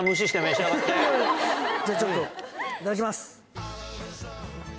いただきます。